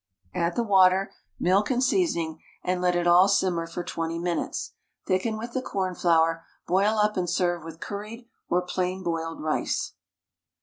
Add the water, milk, and seasoning, and let it all simmer for 20 minutes; thicken with the cornflour, boil up and serve with curried or plain boiled rice.